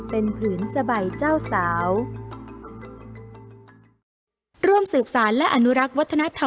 เป็นผืนสบายเจ้าสาว